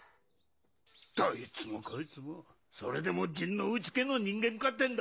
どいつもこいつもそれでも陣内家の人間かってんだ。